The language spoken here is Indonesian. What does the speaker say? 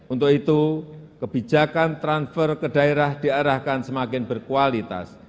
untuk itu kebijakan transfer ke daerah diarahkan semakin berkualitas